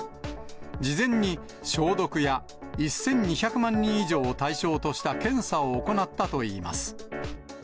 事前に消毒や１２００万人以上を対象とした検査を行ったといいます。